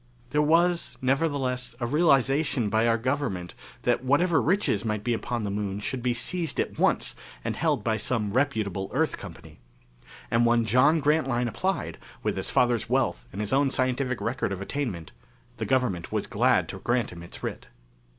There was, nevertheless, a realization by our government, that whatever riches might be upon the Moon should be seized at once and held by some reputable Earth Company. And when John Grantline applied, with his father's wealth and his own scientific record of attainment, the government was glad to grant him its writ.